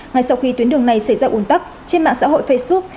ngay sau khi tuyến đường này xảy ra ủn tắc trên mạng xã hội facebook